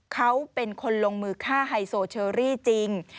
เขาเป็นคนลงมือฆ่าไฮโซเชอรี่จริง